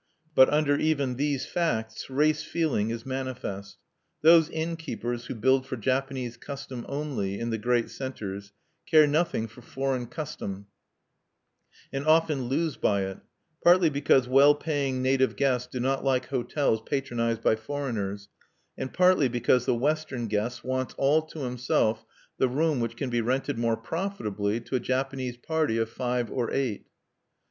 But under even these facts race feeling is manifest. Those innkeepers who build for Japanese custom only, in the great centres, care nothing for foreign custom, and often lose by it, partly because well paying native guests do not like hotels patronized by foreigners, and partly because the Western guest wants all to himself the room which can be rented more profitably to a Japanese party of five or eight.